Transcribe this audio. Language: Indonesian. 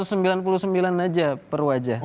cuma dua ratus sembilan puluh sembilan aja per wajah